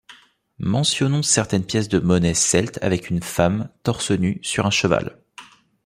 Mentionnons certaines pièces de monnaies celtes avec une femme, torse nue, sur un cheval.